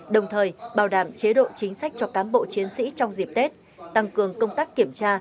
đồng thời bảo đảm chế độ chính sách cho cám bộ chiến sĩ trong dịp tết tăng cường công tác kiểm tra